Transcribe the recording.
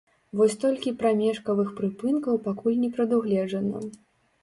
Вось толькі прамежкавых прыпынкаў пакуль не прадугледжана.